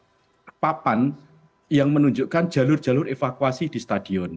maksudnya kalau kita menemukan papan yang menunjukkan jalur jalur evakuasi di stadion